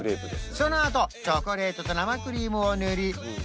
そのあとチョコレートと生クリームを塗り